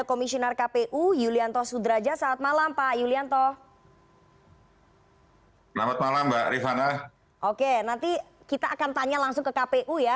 oke nanti kita akan tanya langsung ke kpu ya